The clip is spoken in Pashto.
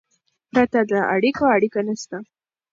پرته له اړیکو، اړیکه نسته.